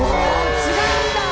違うんだ！